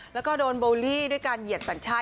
แล้วก็โดนโบลลี่ด้วยการเหยียดสัญชาติ